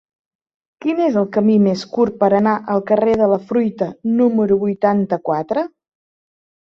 Quin és el camí més curt per anar al carrer de la Fruita número vuitanta-quatre?